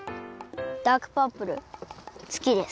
ダークパープルすきです。